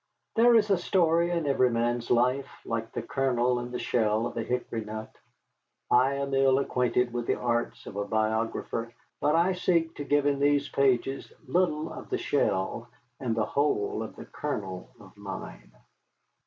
There is a story in every man's life, like the kernel in the shell of a hickory nut. I am ill acquainted with the arts of a biographer, but I seek to give in these pages little of the shell and the whole of the kernel of mine.